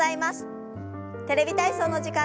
「テレビ体操」の時間です。